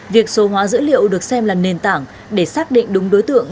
việc số hóa dữ liệu được xem là nền tảng để xác định đúng đối tượng